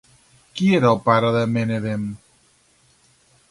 Qui era el pare de Menedem?